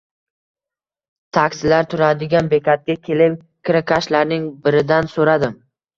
Taksilar turadigan bekatga kelib, kirakashlarning biridan so`radim